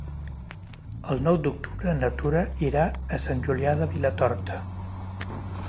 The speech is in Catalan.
El nou d'octubre na Tura irà a Sant Julià de Vilatorta.